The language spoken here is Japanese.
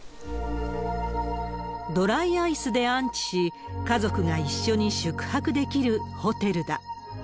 ドライアイスで安置し、家族が一緒に宿泊できるホテルだ。